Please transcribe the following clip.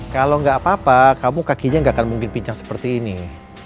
kalau gak apa apa kamu kakinya gak akan mungkin pincang seperti ini ya